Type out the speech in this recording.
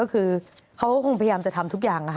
เขาก็คงพยายามทำจะทุกอย่าง